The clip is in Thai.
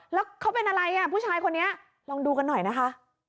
แล้วเขาเป็นอะไรอ่ะผู้ชายคนนี้ลองดูกันหน่อยนะคะ